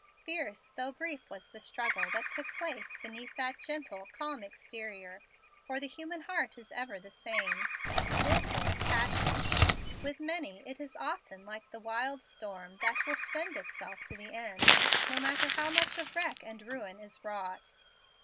Fierce though brief was the struggle that took place beneath that gentle, calm exterior, for the human heart is ever the same, wilful, passionate. With many it is often like the wild storm that will spend itself to the end, no matter how much of wreck and ruin is wrought.